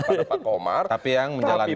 pada pak komar tapi yang menjalankan